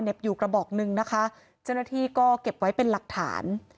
อยู่กระบอกหนึ่งนะคะเจ้าหน้าที่ก็เก็บไว้เป็นหลักฐาน